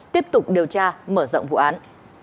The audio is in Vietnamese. tiếp tục điều tra mở rộng vụ án